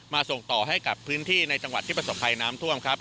ส่งต่อให้กับพื้นที่ในจังหวัดที่ประสบภัยน้ำท่วมครับ